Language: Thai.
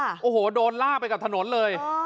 โอ้โหโดนลากไปกับถนนเลย